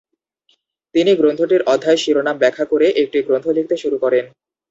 তিনি গ্রন্থটির অধ্যায়-শিরোনাম ব্যাখ্যা করে একটি গ্রন্থ লিখতে শুরু করেন।